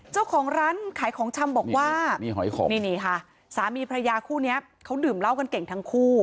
เจ้าของร้านขายของชำบอกว่านี่หอยขมนี่นี่ค่ะสามีพระยาคู่นี้เขาดื่มเหล้ากันเก่งทั้งคู่